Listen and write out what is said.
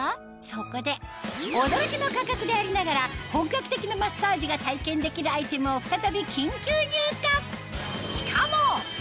そこで驚きの価格でありながら本格的なマッサージが体験できるアイテムを再び緊急入荷